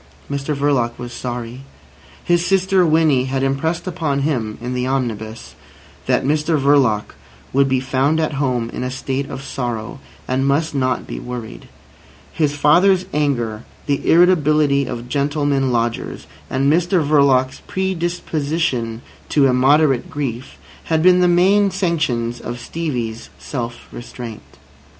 Mr Verloc was sorry. His sister Winnie had impressed upon him (in the omnibus) that Mr Verloc would be found at home in a state of sorrow, and must not be worried. His father's anger, the irritability of gentlemen lodgers, and Mr Verloc's predisposition to immoderate grief, had been the main sanctions of Stevie's self restraint.